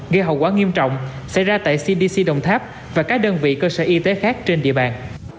gây hậu quả nghiêm trọng xảy ra tại cdc đồng tháp và các đơn vị cơ sở y tế khác trên địa bàn